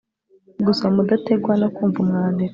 gusoma udategwa no kumva umwandiko